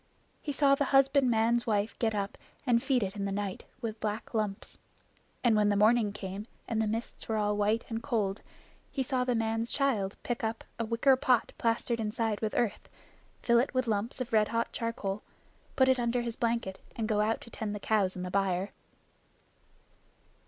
He saw the husbandman's wife get up and feed it in the night with black lumps. And when the morning came and the mists were all white and cold, he saw the man's child pick up a wicker pot plastered inside with earth, fill it with lumps of red hot charcoal, put it under his blanket, and go out to tend the cows in the byre.